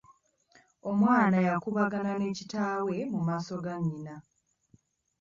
Omwana yakubagana ne kitaawe mu maaso ga nnyina.